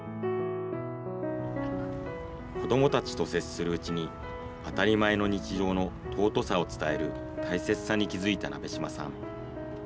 子どもたちと接するうちに、当たり前の日常の尊さを伝える大切さに気付いた鍋島さん。